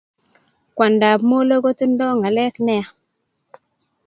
Kwandab molo kotindo ngalek nea